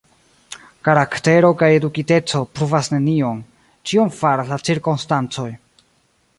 Karaktero kaj edukiteco pruvas nenion; ĉion faras la cirkonstancoj.